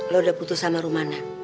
lu udah putus sama rumana